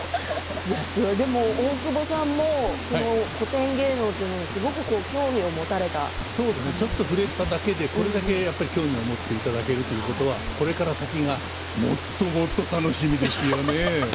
大久保さんも古典芸能というものにちょっと触れただけでこれだけ興味を持っていただけるということは、これから先がもっともっと楽しみですよね。